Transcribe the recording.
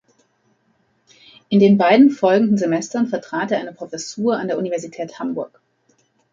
In den beiden folgenden Semestern vertrat er eine Professur an der Universität Hamburg.